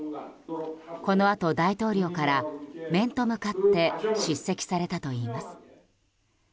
このあと大統領から面と向かって叱責されたといいます。